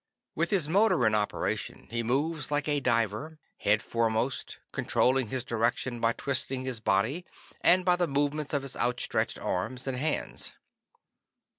With his motor in operation, he moves like a diver, headforemost, controlling his direction by twisting his body and by movements of his outstretched arms and hands.